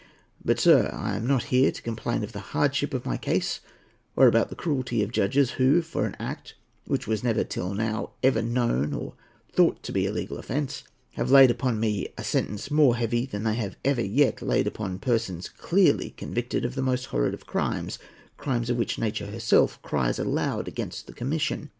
But, sir, I am not here to complain of the hardship of my case or about the cruelty of judges, who, for an act which was never till now ever known or thought to be a legal offence, have laid upon me a sentence more heavy than they have ever yet laid upon persons clearly convicted of the most horrid of crimes—crimes of which nature herself cries aloud against the commission.